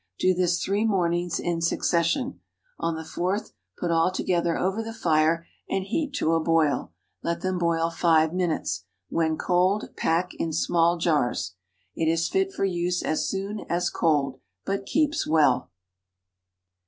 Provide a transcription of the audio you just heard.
Do this three mornings in succession. On the fourth, put all together over the fire and heat to a boil. Let them boil five minutes. When cold, pack in small jars. It is fit for use as soon as cool, but keeps well.